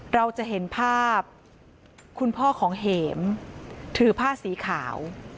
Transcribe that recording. เราจะเห็นภาพคุณพ่อของเห็มถือผ้าสีขาว